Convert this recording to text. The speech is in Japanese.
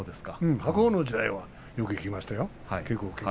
柏鵬の時代はよく行きましたよ。